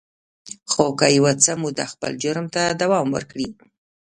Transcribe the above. خو که یو څه موده خپل جرم ته دوام ورکړي